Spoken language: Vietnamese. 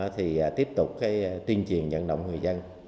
thì tiếp tục tuyên truyền dẫn động người dân